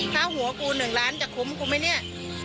ถ้าหัวกู๑ล้านจะคุ้มกูไหมเนี่ย